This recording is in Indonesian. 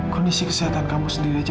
kondisi kesehatan kamu sendiri aja